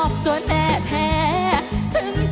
ฮุยฮาฮุยฮารอบนี้ดูทางเวที